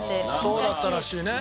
そうだったらしいね。